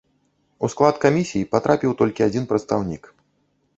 У склад камісій патрапіў толькі адзін прадстаўнік.